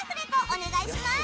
お願いします！